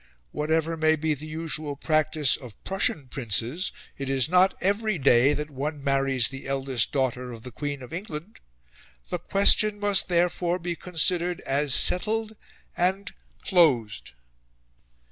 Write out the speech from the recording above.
.. Whatever may be the usual practice of Prussian princes, it is not EVERY day that one marries the eldest daughter of the Queen of England. The question must therefore be considered as settled and closed."